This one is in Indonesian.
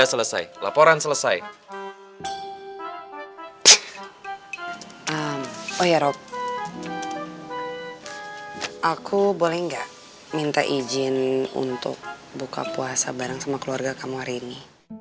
selesai oh ya rob aku boleh enggak minta izin untuk buka puasa bareng sama keluarga kamu hari ini